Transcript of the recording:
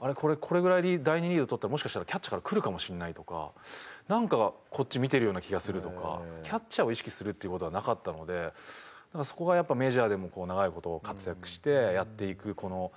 これぐらいで第２リード取ったらもしかしたらキャッチャーが来るかもしれないとかなんかこっちを見てるような気がするとかキャッチャーを意識するっていう事はなかったのでそこがやっぱメジャーでも長い事活躍してやっていくこの。